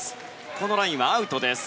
このラインは、アウトです。